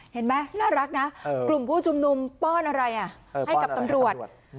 เห็นไหมน่ารักนะกลุ่มผู้ชุมนุมป้อนอะไรให้กับตำรวจ